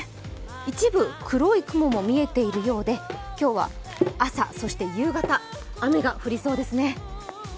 一部、黒い雲も見えているようで今日は朝、そして夕方、雨が降りそうですね。